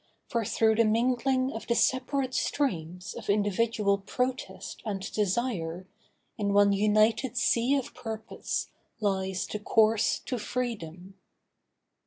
For through the mingling of the separate streams Of individual protest and desire, In one united sea of purpose, lies The course to Freedom.